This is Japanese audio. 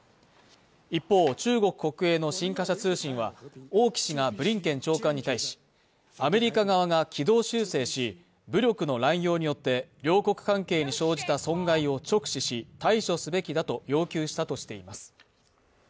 一方、中国国営の新華社通信は王毅氏がブリンケン長官に対し、アメリカ側が軌道修正し、武力の乱用によって両国関係に生じた損害を直視し対処すべきだと要求したとしています。